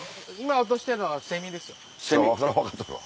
そら分かっとるわ。